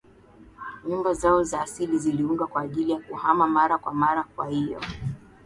Nyumba zao za asili ziliundwa kwa ajili ya kuhama mara kwa mara kwa hiyo